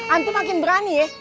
antum makin berani ya